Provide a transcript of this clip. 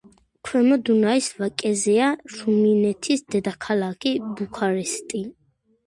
ქვემო დუნაის ვაკეზეა რუმინეთის დედაქალაქი ბუქარესტი.